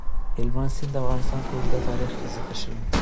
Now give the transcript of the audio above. هلمند سیند د افغانستان په اوږده تاریخ کې ذکر شوی دی.